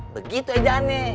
begitu aja aneh